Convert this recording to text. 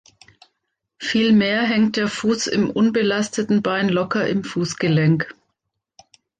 Vielmehr hängt der Fuß im unbelasteten Bein locker im Fußgelenk.